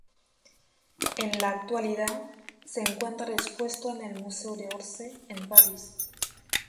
En la actualidad se encuentra expuesto en el Museo de Orsay, en París.